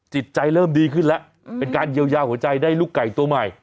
จิตใจเริ่มดีขึ้นแล้วเป็นการเยียวยาหัวใจได้ลูกไก่ตัวใหม่